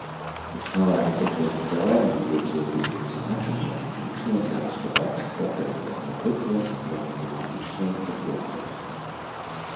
Існавалі такія збудаванні, якія былі прызначаныя выключна для гаспадарчых патрэб, напрыклад, для металургічнай вытворчасці.